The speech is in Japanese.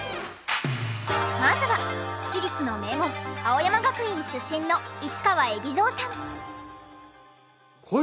まずは私立の名門青山学院出身の市川海老蔵さん。